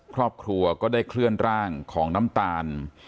ครอบครัวก็ได้เคลื่อนร่างของน้ำตาล